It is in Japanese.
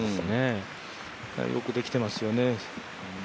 やはりよくできていますよね。